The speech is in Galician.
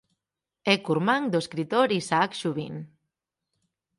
É curmán do escritor Isaac Xubín.